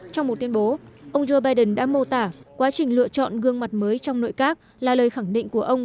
trong một tuyên bố ông joe biden đã mô tả quá trình lựa chọn gương mặt mới trong nội các là lời khẳng định của ông